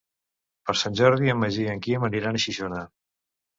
Per Sant Jordi en Magí i en Quim aniran a Xixona.